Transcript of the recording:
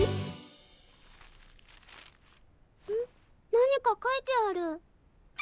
何か書いてある。